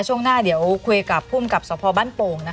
ช่วงหน้าเดี๋ยวคุยกับภูมิกับสพบ้านโป่ง